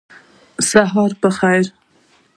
سهار په خیر !